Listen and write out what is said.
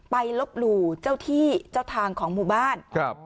ลบหลู่เจ้าที่เจ้าทางของหมู่บ้านครับ